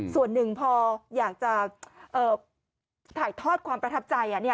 ส่วนหนึ่งพออยากจะถ่ายทอดความประทับใจ